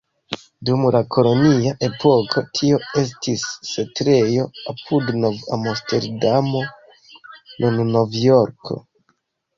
Dum la kolonia epoko tio estis setlejo apud Nov-Amsterdamo, nun Novjorko.